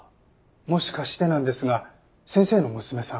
もしかしてなんですが先生の娘さん